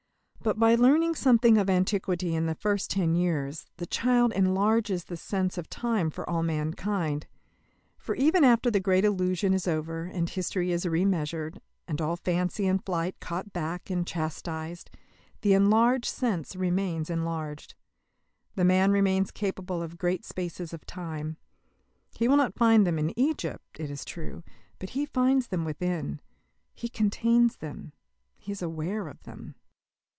But by learning something of antiquity in the first ten years, the child enlarges the sense of time for all mankind. For even after the great illusion is over and history is re measured, and all fancy and flight caught back and chastised, the enlarged sense remains enlarged. The man remains capable of great spaces of time. He will not find them in Egypt, it is true, but he finds them within, he contains them, he is aware of them.